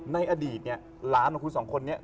ในอดีตหลานของคุณสองคนนี้